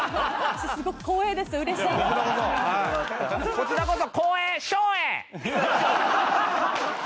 こちらこそ。